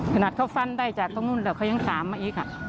ขนาดเขาฟันได้จากตรงนู้นแล้วเขายังถามมาอีก